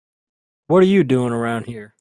What are you doing around here?